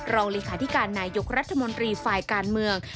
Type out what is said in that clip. รองเลขาธิการนายกรัฐมนตรีฝ่ายการเมือง